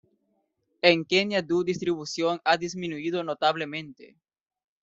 En Kenia du distribución ha disminuido notablemente.